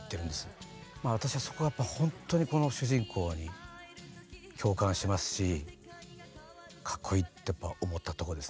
まあ私はそこがやっぱほんとにこの主人公に共感しますしかっこいいってやっぱ思ったとこですね